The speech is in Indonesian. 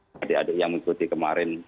jadi adik adik yang mengikuti kemarin